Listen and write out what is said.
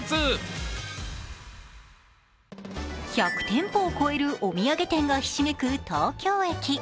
１００店舗を超えるお土産店がひしめく東京駅。